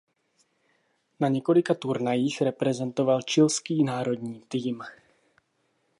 Na několika turnajích reprezentoval chilský národní tým.